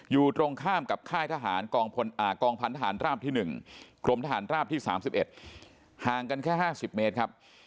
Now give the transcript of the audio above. อยู่ตรงข้ามกับคล่องพันธ์ทหารตราบที่๓๑หางกัน๕๐เมตรครับ